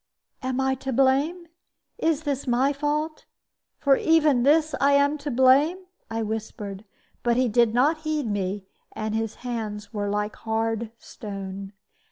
"Am I to blame? Is this my fault? For even this am I to blame?" I whispered; but he did not heed me, and his hands were like hard stone.